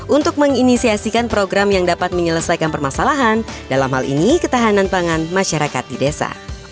untuk menginisiasikan program yang dapat menyelesaikan permasalahan dalam hal ini ketahanan pangan masyarakat di desa